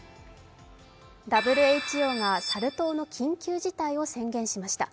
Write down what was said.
ＷＨＯがサル痘の緊急事態を宣言しました。